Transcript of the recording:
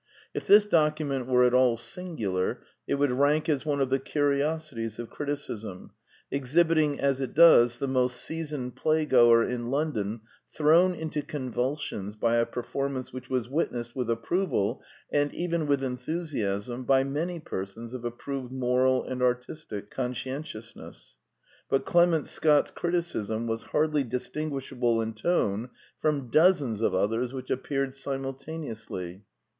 If this document were at all singular, it would rank as one of the curiosities of criticism, ex hibiting, as it does, the most seasoned playgoer in London thrown into convulsions by a perform ance which was witnessed with approval, and even with enthusiasm, by many persons of approved moral and artistic conscientiousness. But Clement Scott's criticism was hardly distinguishable in tone from dozens of others which appeared simultan eously.